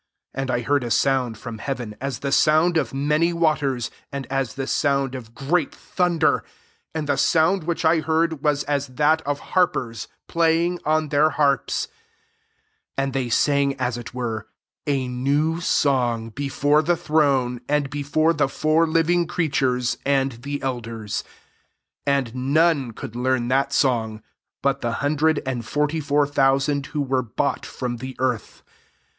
% And I heard a sound from hea > ven, as the sound of many wa ters, and as the sound of great thunder : and the sound which I heard v>aB as that of harpers playing on their harps : 3 and they sang as it were a new song before the throne, and before the four living creatures, and the elders : and none could learn that song, but the hundred and forty four thousand, who were bought from the earth.